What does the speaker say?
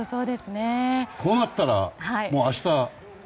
こうなったら、明日。